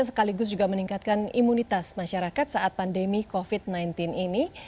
sekaligus juga meningkatkan imunitas masyarakat saat pandemi covid sembilan belas ini